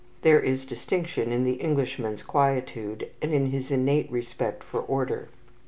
There is distinction in the Englishman's quietude, and in his innate respect for order.